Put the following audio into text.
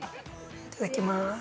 いただきます。